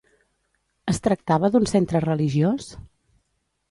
Es tractava d'un centre religiós?